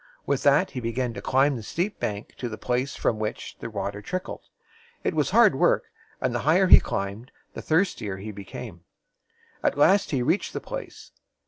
With that he began to climb the steep bank to the place from which the water trickled. It was hard work, and the higher he climbed, the thirst i er he became. At last he reached the place.